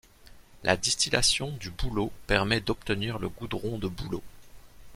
La distillation du bouleau permet d'obtenir le goudron de bouleau.